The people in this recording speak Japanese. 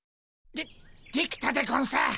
でできたでゴンス！